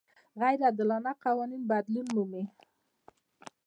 غیر عادلانه قوانین بدلون مومي.